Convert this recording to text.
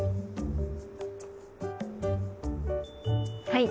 はい。